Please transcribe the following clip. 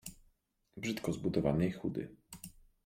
brzydko zbudowany i chudy.